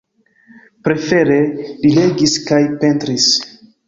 Prefere li legis kaj pentris.